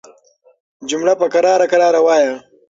جمله په کراره کراره وايه